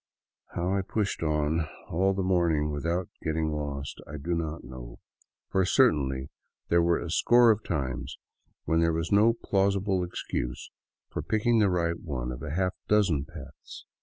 How I pushed on all the morning without getting lost I do not know, for certainly there were a score of times when there was no plausible excuse for picking the right one of a half dozen paths.